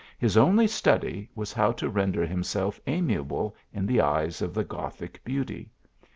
His only study, was how to render himself amiable in the eyes of the Gothic beauty.